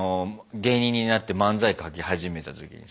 芸人になって漫才書き始めた時に。